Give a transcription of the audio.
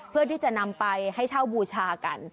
เพื่อที่จะนำไปให้เช่าบูชากัน